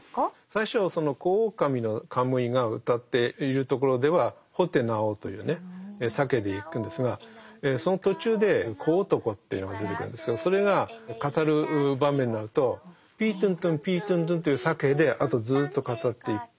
最初はその小狼のカムイが謡っているところでは「ホテナオ」というねサケヘでいくんですがその途中で小男というのが出てくるんですけどそれが語る場面になると「ピートゥントゥンピートゥントゥン」というサケヘであとずっと語っていく。